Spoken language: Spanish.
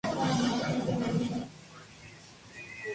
El gobierno nunca emitió un comentario con respecto esos informes.